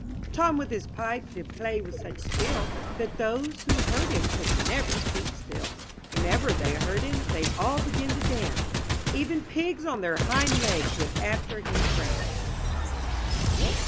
'* Tom with his pipe did play with such skill That those who heard him could never keep still; Whenever they heard him, they'd all begin to dance ; Even pigs on their hind legs would after him prance.